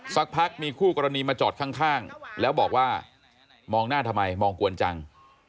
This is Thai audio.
สักพักมีคู่กรณีมาจอดข้างแล้วบอกว่ามองหน้าทำไมมองกวนจัง